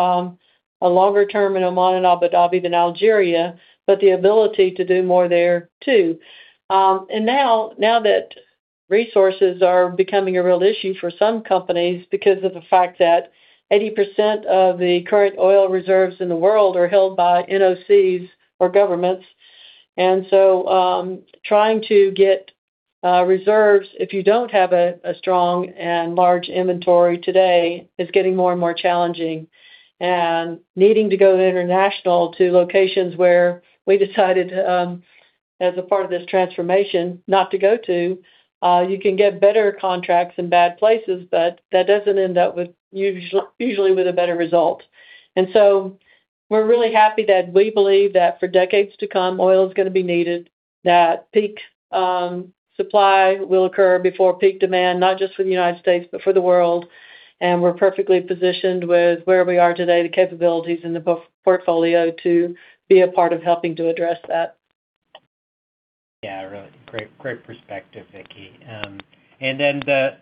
a longer term in Oman and Abu Dhabi than Algeria, but the ability to do more there too. Now that resources are becoming a real issue for some companies because of the fact that 80% of the current oil reserves in the world are held by NOCs or governments. Trying to get reserves, if you don't have a strong and large inventory today, is getting more and more challenging. Needing to go international to locations where we decided as a part of this transformation not to go to, you can get better contracts in bad places, but that doesn't end up usually with a better result. We're really happy that we believe that for decades to come, oil is gonna be needed, that peak supply will occur before peak demand, not just for the U.S., but for the world. We're perfectly positioned with where we are today, the capabilities in the portfolio to be a part of helping to address that. Yeah, really great perspective, Vicki. The,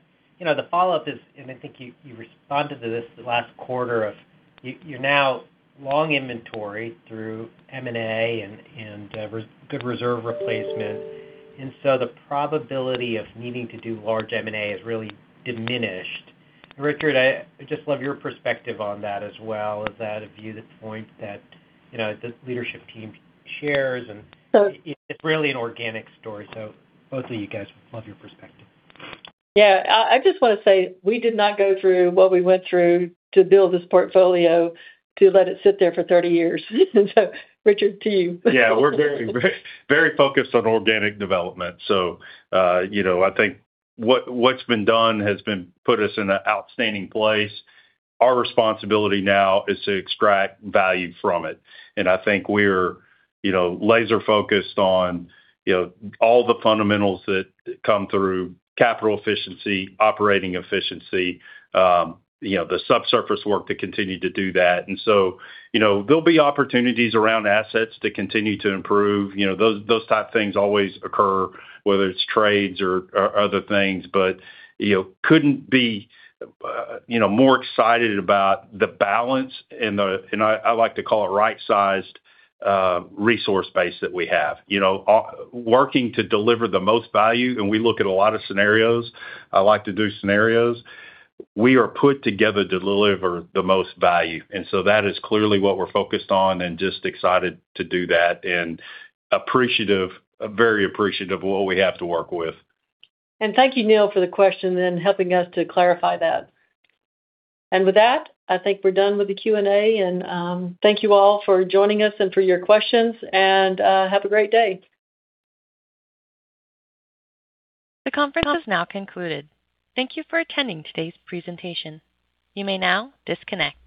you know, the follow-up is, I think you responded to this the last quarter of you're now long inventory through M&A and good reserve replacement. The probability of needing to do large M&A has really diminished. Richard, I'd just love your perspective on that as well. Is that a view, the point that, you know, the leadership team shares? It's really an organic story, both of you guys, love your perspective. Yeah. I just wanna say, we did not go through what we went through to build this portfolio to let it sit there for 30 years. Richard, to you. Yeah. We're very, very focused on organic development. You know, I think what's been done has been put us in an outstanding place. Our responsibility now is to extract value from it. I think we're, you know, laser-focused on, you know, all the fundamentals that come through capital efficiency, operating efficiency, you know, the subsurface work to continue to do that. You know, there'll be opportunities around assets to continue to improve. You know, those type of things always occur, whether it's trades or other things. You know, couldn't be, you know, more excited about the balance and I like to call it right-sized resource base that we have. You know, working to deliver the most value, we look at a lot of scenarios. I like to do scenarios. We are put together to deliver the most value, and so that is clearly what we're focused on and just excited to do that and appreciative, very appreciative of what we have to work with. Thank you, Neil, for the question and helping us to clarify that. With that, I think we're done with the Q&A. Thank you all for joining us and for your questions, have a great day. The conference is now concluded. Thank you for attending today's presentation. You may now disconnect.